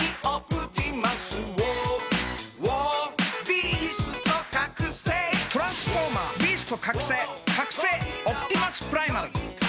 ビースト覚醒トランスフォーマービースト覚醒覚醒オプティマスプライマル。